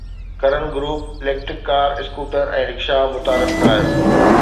ڪرن group electric car scooter ۽ رڪشا متعارف ڪرايو